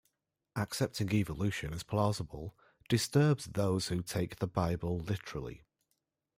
Accepting evolution as plausible "disturbs those who take the Bible literally".